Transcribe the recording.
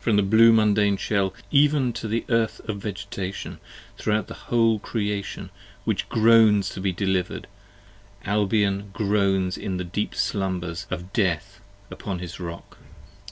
25 From the blue Mundane Shell even to the Earth of Vegetation, Throughout the whole Creation which groans to be deliver'd, Albion groans in the deep slumbers of Death upon his Rock.